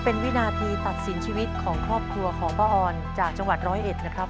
เป็นวินาทีตัดสินชีวิตของครอบครัวของป้าออนจากจังหวัดร้อยเอ็ดนะครับ